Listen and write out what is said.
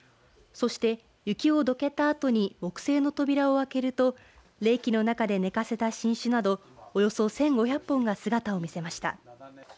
そして、雪をどけたあとに木製の扉を開けると冷気の中で寝かせた新酒などおよそ１５００本が姿を見せました。